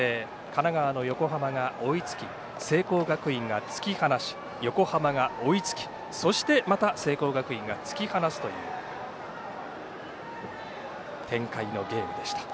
神奈川の横浜が追いつき聖光学院が突き放し横浜が追いつきそして、また聖光学院が突き放すという展開のゲームでした。